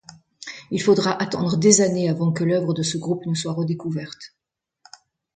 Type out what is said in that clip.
Il faudra attendre des années avant que l'œuvre de ce groupe ne soit redécouverte.